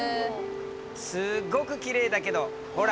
すっごくきれいだけどほら。